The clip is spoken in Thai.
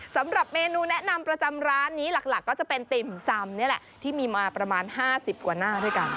สำหรับเมนูแนะนำประจำร้านนี้หลักก็จะเป็นติ่มซำนี่แหละที่มีมาประมาณ๕๐กว่าหน้าด้วยกัน